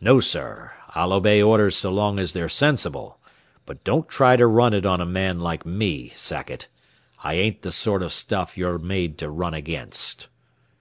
No, sir, I'll obey orders so long as they're sensible, but don't try to run it on a man like me, Sackett. I ain't the sort of stuff you're made to run against."